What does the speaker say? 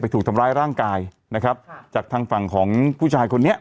ถูกทำร้ายร่างกายนะครับจากทางฝั่งของผู้ชายคนนี้